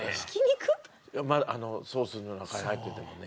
ソースの中に入っててもね。